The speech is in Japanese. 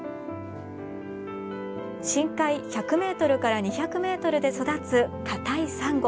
深海１００ｍから２００ｍで育つ硬いサンゴ。